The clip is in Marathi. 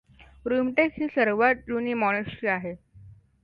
रुमटेक ही सर्वात जुनी मॉनेस्ट्री आहे.